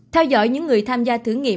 theo dõi những người tham gia thử nghiệm